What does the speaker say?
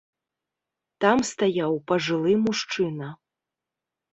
Там стаяў пажылы мужчына.